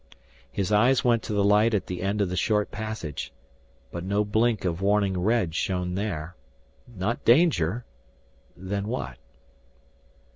His eyes went to the light at the end of the short passage. But no blink of warning red shown there. Not danger then what